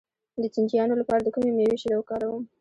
د چینجیانو لپاره د کومې میوې شیره وکاروم؟